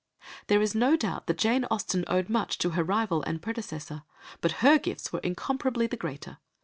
There is no doubt that Jane Austen owed much to her rival and predecessor, but her gifts were incomparably the greater.